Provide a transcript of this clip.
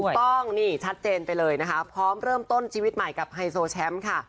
ถูกต้องนี่ชัดเจนไปเลยนะครับพร้อมเริ่มต้นไปกับไฮโซแชมป์ค่ะ